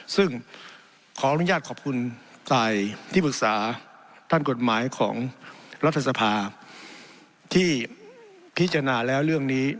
ซึ่งขออนุญาตขอบคุณฝ่ายที่ปรึกษาท่านกฎหมายของรัฐสภาที่พิจารณาแล้วเรื่องนี้